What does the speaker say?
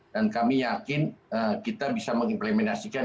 dan kami yakin kita bisa mengimplementasikan